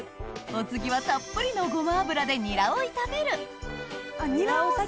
お次はたっぷりのゴマ油でニラを炒めるニラを先？